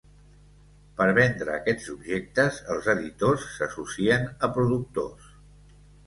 Per vendre aquests objectes, els editors s'associen a productors.